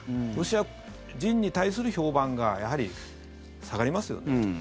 ロシア人に対する評判がやはり下がりますよね。